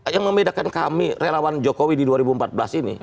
yang membedakan kami relawan jokowi di dua ribu empat belas ini